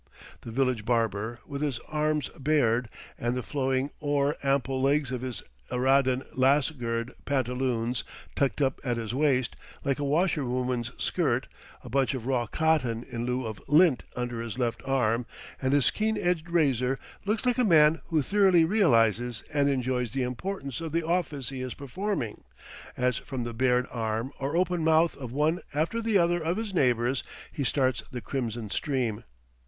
The village barber, with his arms bared, and the flowing, o'er ample legs of his Aradan Lasgird pantaloons tucked up at his waist, like a washerwoman's skirt, a bunch of raw cotton in lieu of lint under his left arm, and his keen edged razor, looks like a man who thoroughly realizes and enjoys the importance of the office he is performing, as from the bared arm or open mouth of one after the other of his neighbors he starts the crimson stream.